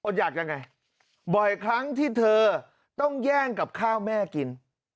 อยากยังไงบ่อยครั้งที่เธอต้องแย่งกับข้าวแม่กิน